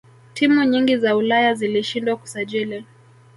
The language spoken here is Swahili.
timu nyingi za ulaya zilishindwa kusajili